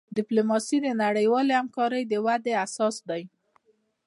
ډیپلوماسي د نړیوالی همکاری د ودي اساس دی.